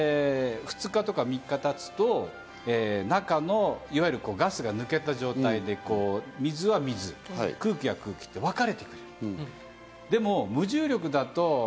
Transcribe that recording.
これで例えば２日とか３日経つと中のいわゆるガスが抜けた状態で水は水、空気は空気と分かれていく。